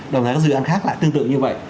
đồng thời các dự án khác lại tương tự như vậy